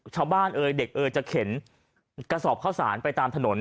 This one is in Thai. เอ้ยเด็กเอ่ยจะเข็นกระสอบข้าวสารไปตามถนน